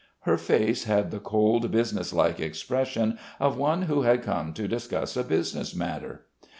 Her face had the cold, business like expression of one who had come to discuss a business matter.